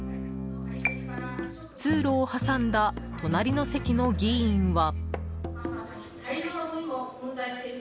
通路を挟んだ隣の席の議員は。